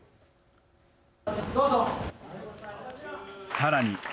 さらに。